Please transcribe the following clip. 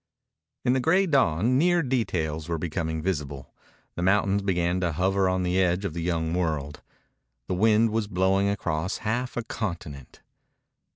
In the gray dawn near details were becoming visible. The mountains began to hover on the edge of the young world. The wind was blowing across half a continent.